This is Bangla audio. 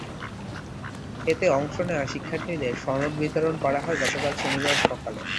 এতে অংশ নেওয়া শিক্ষার্থীদের সনদ বিতরণ করা হয় গতকাল শনিবার সকালে।